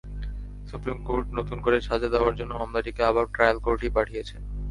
Supreme Court নতুন করে সাজা দেওয়ার জন্য মামলাটিকে আবার ট্রায়াল কোর্টেই পাঠিয়েছেন।